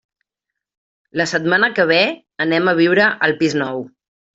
La setmana que ve anem a viure al pis nou.